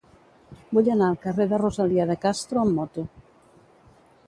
Vull anar al carrer de Rosalía de Castro amb moto.